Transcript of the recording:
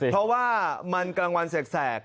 เพราะว่ามันกลางวันแสก